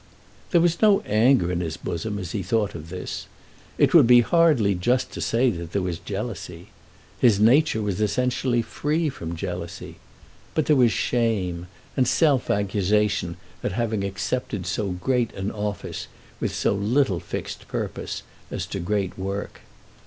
There was no anger in his bosom as he thought of this. It would be hardly just to say that there was jealousy. His nature was essentially free from jealousy. But there was shame, and self accusation at having accepted so great an office with so little fixed purpose as to great work.